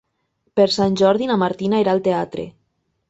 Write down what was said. Per Sant Jordi na Martina irà al teatre.